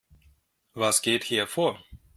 Was geht hier vor?